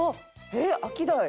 えっアキダイ！」